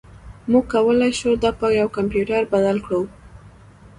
موږ کولی شو دا په یو کمپیوټر بدل کړو